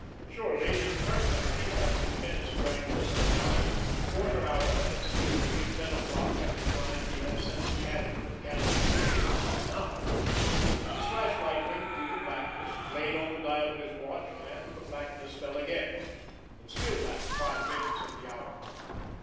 Surely, interminably as the minutes dragged themselves out, the quarter hour that had stood between ten o'clock and the time he had sent the Cadger and Gannet away was up now! His flashlight winked through the blackness, played on the dial of his watch, and the blackness fell again. It still lacked five minutes of the hour.